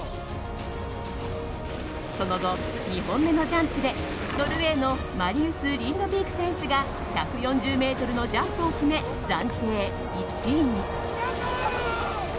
その後、２本目のジャンプでノルウェーのマリウス・リンドビーク選手が１４０ｍのジャンプを決め暫定１位に。